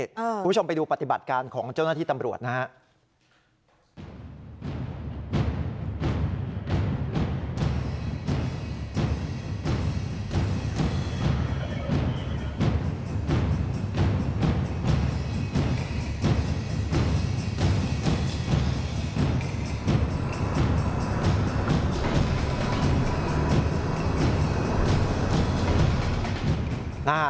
คุณผู้ชมไปดูปฏิบัติการของเจ้าหน้าที่ตำรวจนะฮะ